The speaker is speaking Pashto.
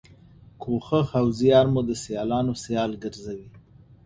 کوښښ او زیار مو د سیالانو سیال ګرځوي.